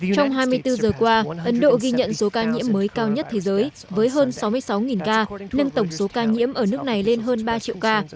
trong hai mươi bốn giờ qua ấn độ ghi nhận số ca nhiễm mới cao nhất thế giới với hơn sáu mươi sáu ca nâng tổng số ca nhiễm ở nước này lên hơn ba triệu ca